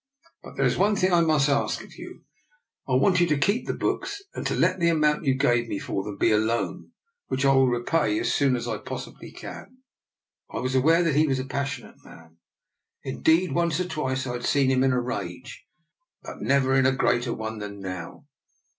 But there is one thing I must ask of you. I want you to keep the books and to let the amount you gave me for them be a loan, which I will repay as soon as I pos sibly can." I was aware that he was a passionate man: indeed, once or twice I had seen him in a rage, but never in a greater one than now.